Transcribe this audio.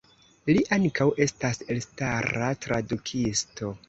Li ankaŭ estas elstara tradukisto.